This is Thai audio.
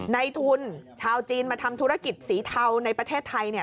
ในทุนชาวจีนมาทำธุรกิจสีเทาในประเทศไทยเนี่ย